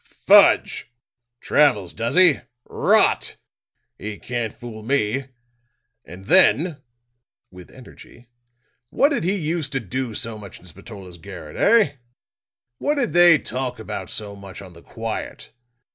"Fudge! Travels, does he? Rot! He can't fool me. And then," with energy, "what did he used to do so much in Spatola's garret, eh? What did they talk about so much on the quiet?